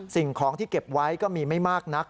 สิ่งของที่เก็บไว้ก็มีไม่มากนัก